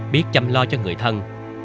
biết chăm lo cho người thân